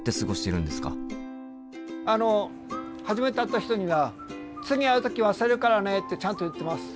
あの初めて会った人には「次会う時忘れるからね」ってちゃんと言ってます。